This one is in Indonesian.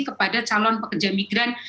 kepada calon pekerja migran